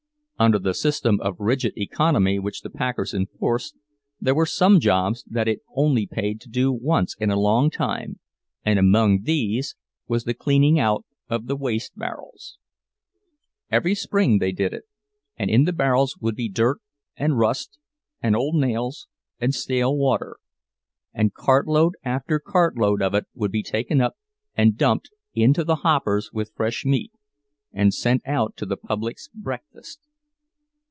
Under the system of rigid economy which the packers enforced, there were some jobs that it only paid to do once in a long time, and among these was the cleaning out of the waste barrels. Every spring they did it; and in the barrels would be dirt and rust and old nails and stale water—and cartload after cartload of it would be taken up and dumped into the hoppers with fresh meat, and sent out to the public's breakfast.